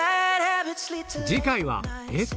次回は「えっ？